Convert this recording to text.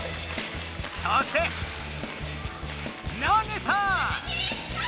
そして投げた！